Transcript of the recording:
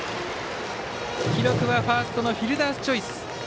記録はファーストのフィルダースチョイス。